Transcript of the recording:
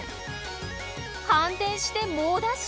反転して猛ダッシュ！